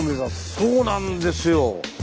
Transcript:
そうなんですよ。